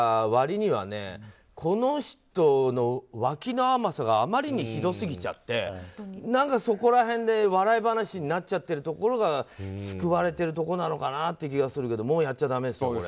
割にはこの人のわきの甘さがあまりにひどすぎちゃってそこら辺で笑い話になっちゃってるところが救われてるところなのかなって気がするけどもうやっちゃだめ。